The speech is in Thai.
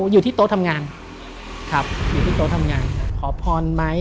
อยู่ที่โต๊ะทำงานครับขอพรหมาย